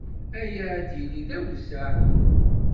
Aya ad yili d awezzeɛ.